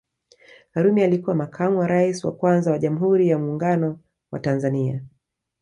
Karume alikuwa makamu wa rais wa kwanza wa Jamhuri ya Muungano wa Tanzania